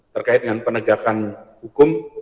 terkait dengan penegakan hukum